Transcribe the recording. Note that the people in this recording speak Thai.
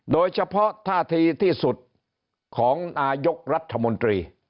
โดยเฉพาะท่าทีที่สุดของนายกรัฐมนตรี